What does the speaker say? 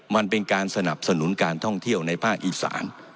มันเป็นการสนับสนุนการท่องเที่ยวในภาคอีสาน